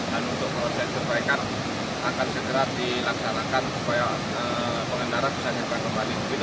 dan untuk proses kebaikan akan segera dilaksanakan supaya pengendara bisa nyetir kembali